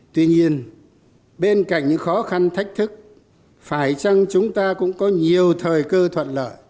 tuy nhiên bên cạnh những khó khăn thách thức phải chăng chúng ta cũng có nhiều thời cơ thuận lợi